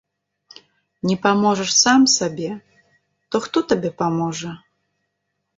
Не паможаш сам сабе, то хто табе паможа!